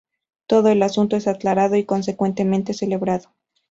Todo el asunto es aclarado y consecuentemente celebrado.